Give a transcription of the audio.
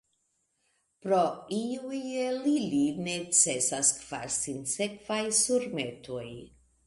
Pro iuj el ili necesas kvar sinsekvaj surmetoj.